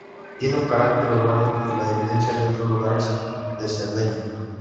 Tiene un carácter urbano que la diferencia de otros lugares de Cerdeña.